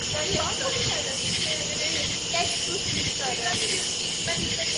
Therapeutic benefit is a result of careful administration of an appropriate dose.